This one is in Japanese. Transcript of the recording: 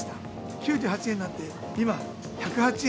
９８円になって、今、１０８円。